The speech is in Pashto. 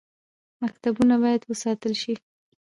مکتبونه باید وساتل شي